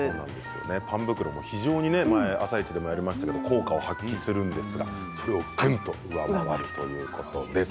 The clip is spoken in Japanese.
パン袋も「あさイチ」でやりましたが非常に効果を発揮するんですが、それをがんと上回るということです。